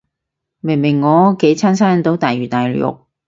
明明我屋企餐餐都大魚大肉